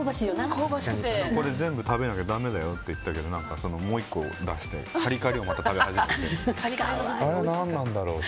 全部食べなきゃだめだよって言ったのにもう１個出してカリカリをまた食べ始めて。